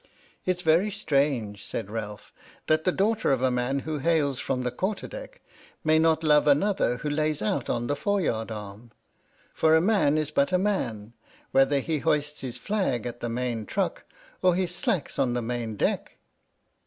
" It 's very strange," said Ralph, " that the daugh ter of a man who hails from the quarter deck may not love another who lays out on the fore yard arm. For a man is but a man, whether he hoists his flag at the main truck, or his slacks on the main deck."